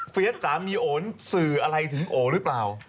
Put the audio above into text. เพียทสัมมี่โอนสื่ออะไรถึงโอรึเปล่า